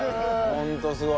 ホントすごい。